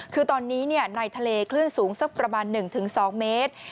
คือตอนนี้ในทะเลคลื่นสูงสักประมาณ๑๒เมตร